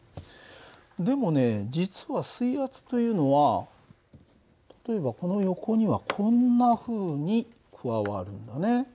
でもね実は水圧というのは例えばこの横にはこんなふうに加わるんだね。